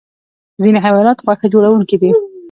ځینې حیوانات غوښه خوړونکي دي